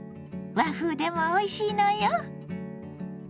和風でもおいしいのよ。